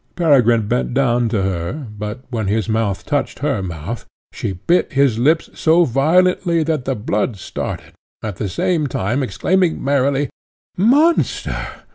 Peregrine bent down to her, but when his mouth touched her mouth, she bit his lips so violently that the blood started, at the same time exclaiming merrily, "Monster!